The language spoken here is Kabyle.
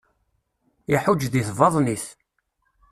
Iḥuǧǧ di tbaḍnit.